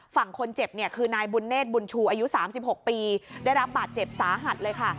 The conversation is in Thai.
ฝั่งคนเจ็บเนี่ยคือนายบุญเนธบุญชูอายุ๓๖ปีได้รับบาดเจ็บสาหัสเลยค่ะ